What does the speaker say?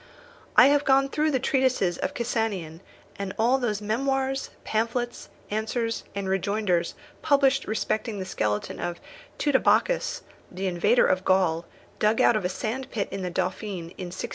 I have gone through the treatises of Cassanion, and all those memoirs, pamphlets, answers, and rejoinders published respecting the skeleton of Teutobochus, the invader of Gaul, dug out of a sandpit in the Dauphiné, in 1613.